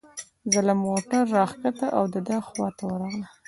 زه له موټره را کښته او د ده خواته ورغلم.